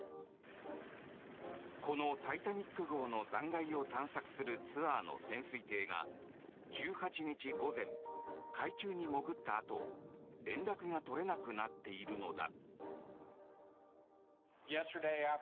この「タイタニック号」の残骸を探索するツアーの潜水艇が１８日午前、海中に潜ったあと連絡が取れなくなっているのだ。